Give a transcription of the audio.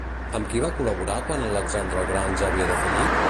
Amb qui va col·laborar quan Alexandre el Gran ja havia defallit?